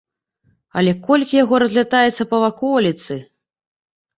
Але колькі яго разлятаецца па ваколіцы!